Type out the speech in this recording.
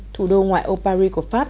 thủ đô ngoại âu paris của pháp